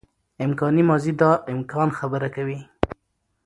امکاني ماضي د امکان خبره کوي.